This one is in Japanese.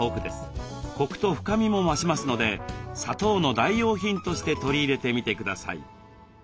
コクと深みも増しますので砂糖の代用品として取り入れてみてください。